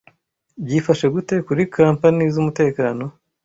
Byifashe gute kuri Company z’umutekano?